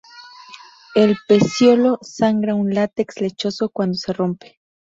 El pecíolo sangra un látex lechoso cuando se rompe.